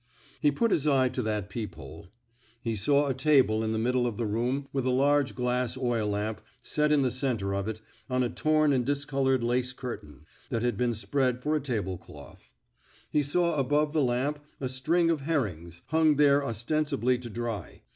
He put his eye to that peep hole. He saw a table in the middle of the room with a large glass oil lamp set in the center of it, on a torn and discolored lace curtain, that had been spread for a table cloth. He saw above the lamp a string of her rings, hung there ostensibly to dry.